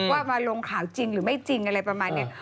ว่ามาลงข่าวจริงหรือไม่จริงอะไรประมาณนี้